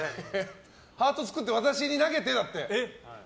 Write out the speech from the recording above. ハート作って私に投げてだって。